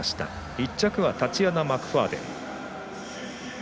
１着はタチアナ・マクファーデン。